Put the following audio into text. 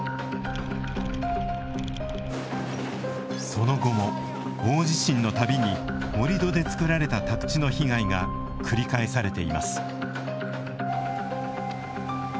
その後も、大地震の度に盛土で造られた宅地の被害が繰り返されています。